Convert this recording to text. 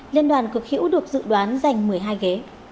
liên đoàn cực hữu được dự đoán giành một mươi hai ghế